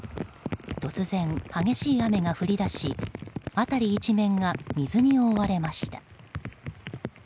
突然、激しい雨が降り出し辺り一面が水に覆われました。